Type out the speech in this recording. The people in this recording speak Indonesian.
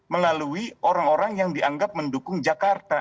melalui orang orang yang dianggap mendukung jakarta